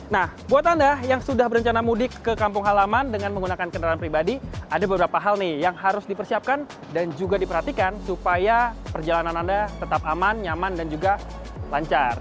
nah buat anda yang sudah berencana mudik ke kampung halaman dengan menggunakan kendaraan pribadi ada beberapa hal nih yang harus dipersiapkan dan juga diperhatikan supaya perjalanan anda tetap aman nyaman dan juga lancar